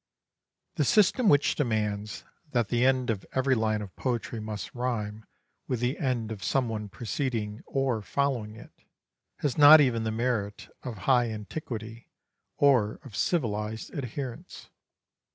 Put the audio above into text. The system which demands that the end of every line of poetry must rhyme with the end of some one preceding or following it, has not even the merit of high antiquity or of civilized adherence.